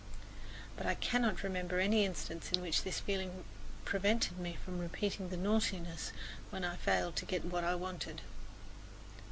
But I cannot remember any instance in which this feeling prevented me from repeating the naughtiness when I failed to get what I wanted.